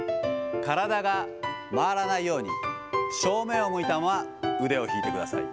体が回らないように、正面を向いたまま腕を引いてください。